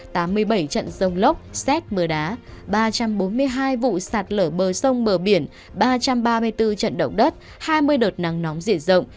tám mươi bảy trận sông lốc xét mưa đá ba trăm bốn mươi hai vụ sạt lở bờ sông bờ biển ba trăm ba mươi bốn trận động đất hai mươi đợt nắng nóng diện rộng